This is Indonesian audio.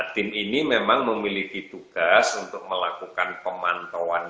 tim ini memang memiliki tugas untuk melakukan pemantauan